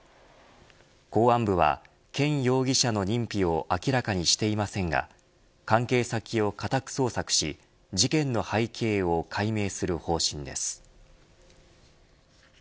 公安部は権容疑者の認否を明らかにしていませんが関係先を家宅捜索し事件の背景を解明する方針です。